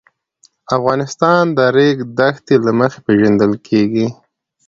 افغانستان د د ریګ دښتې له مخې پېژندل کېږي.